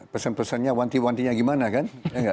pesan pesannya wanti wantinya gimana kan